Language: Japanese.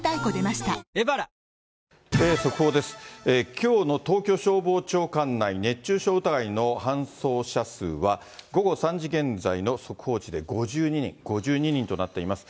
きょうの東京消防庁管内、熱中症疑いの搬送者数は午後３時現在の速報値で５２人、５２人となっています。